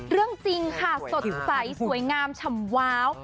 เรื่องจริงค่ะสดใสสวยงามฉ่ำว้าว